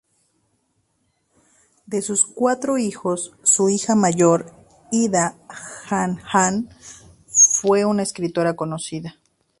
De sus cuatro hijos, su hija mayor Ida Hahn-Hahn fue una escritora conocida.